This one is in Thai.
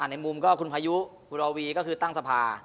ในมุมก็คุณพายุคุณระวีก็คือตั้งสภา